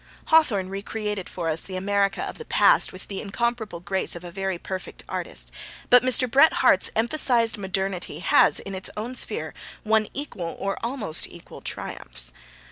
Hawthorne re created for us the America of the past with the incomparable grace of a very perfect artist, but Mr. Bret Harte's emphasised modernity has, in its own sphere, won equal, or almost equal, triumphs.